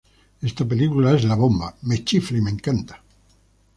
Esta película es la bomba. Me chifla y me encanta